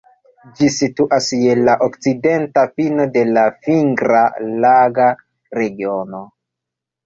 Ĝi situas je la okcidenta fino de la Fingra-Laga Regiono.